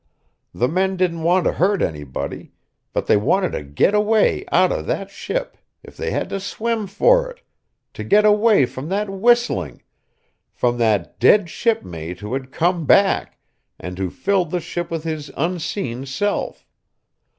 The men didn't want to hurt anybody; but they wanted to get away out of that ship, if they had to swim for it; to get away from that whistling, from that dead shipmate who had come back, and who filled the ship with his unseen self.